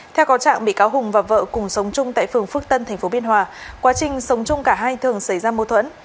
theo có trạng bị cáo hùng và vợ cùng sống chung tại phường phước tân tp biên hòa quá trình sống chung cả hai thường xảy ra mô thuẫn